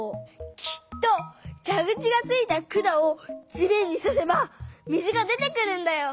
きっとじゃぐちがついた管を地面にさせば水が出てくるんだよ。